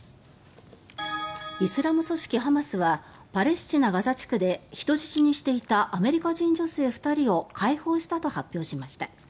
イスラム組織ハマスはパレスチナ・ガザ地区で人質にしていたアメリカ人女性２人を解放したと発表しました。